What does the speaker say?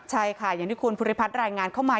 ใช่ค่ะอย่างที่คุณภูริพัฒน์รายงานเข้ามา